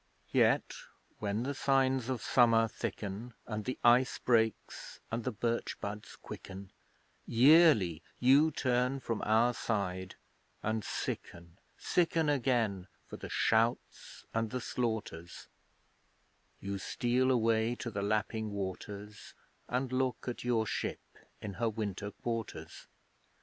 Yet, when the signs of summer thicken, And the ice breaks, and the birch buds quicken, Yearly you turn from our side, and sicken Sicken again for the shouts and the slaughters, You steal away to the lapping waters, And look at your ship in her winter quarters.